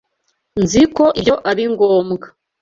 Nzi ko ibyo ari ngombwa.